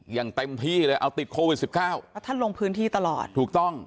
อย่างเต็มที่เลยเอาติดโควิดสิบเก้าแล้วท่านลงพื้นที่ตลอดถูกต้อง